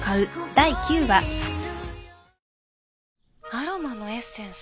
アロマのエッセンス？